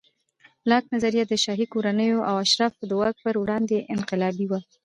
لاک نظریه د شاهي کورنیو او اشرافو د واک پر وړاندې انقلابي وه.